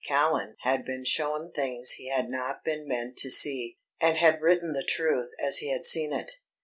Callan had been shown things he had not been meant to see, and had written the truth as he had seen it.